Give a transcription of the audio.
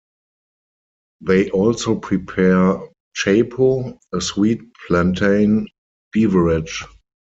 They also prepare chapo, a sweet plantain beverage.